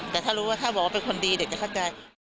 แต่ถ้ารู้ว่าถ้าบอกว่าเป็นคนดีเด็กจะเข้าใจ